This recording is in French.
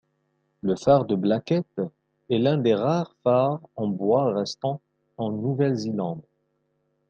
Le phare de Blackett est l'un des rares phares en bois restants en Nouvelle-Zélande.